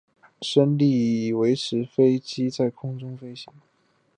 升力维持飞机在空中飞行。